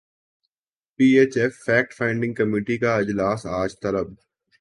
پی H F fact finding committee کا اجلاس اج طلب